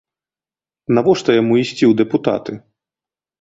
Навошта яму ісці ў дэпутаты?